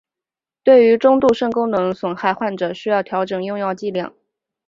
对于中度肾功能损害患者需要调整用药剂量。